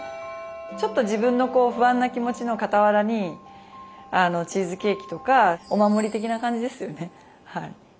ちょっと自分の不安な気持ちの傍らにチーズケーキとかお守り的な感じですよね。